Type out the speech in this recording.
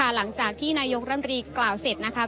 หลังจากที่นายกรัมรีกล่าวเสร็จนะคะ